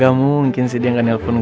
ga mungkin sih dia gak nelfon gue